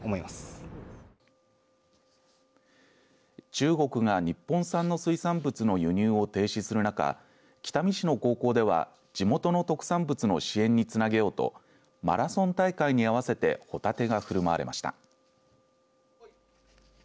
中国が日本産の水産物の輸入を停止する中北見市の高校では地元の特産物の支援につなげようとマラソン大会に合わせてホタテがふるまわれました。